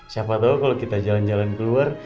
siapa tahu kalau kita jalan jalan keluar